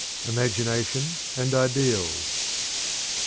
IMAGINATION AND IDEALS.